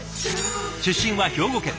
出身は兵庫県。